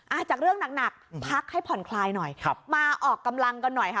จากเรื่องหนักหนักพักให้ผ่อนคลายหน่อยครับมาออกกำลังกันหน่อยค่ะ